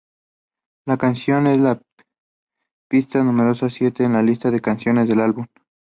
La canción es la pista número siete en la lista de canciones del álbum.